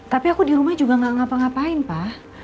tapi aku di rumah juga gak ngapa ngapain pak